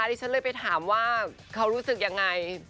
ดิฉันเลยไปถามว่าเขารู้สึกยังไง